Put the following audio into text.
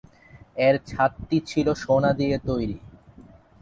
এর ছাদটি ছিল সোনা দিয়ে তৈরী।